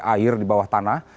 air di bawah tanah